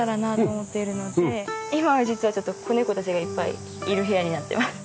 今は実はちょっと子猫たちがいっぱいいる部屋になってます。